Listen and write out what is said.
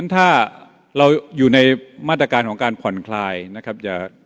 ถ้าเราอยู่ในมาตรการของการผ่อนคลายนะครับ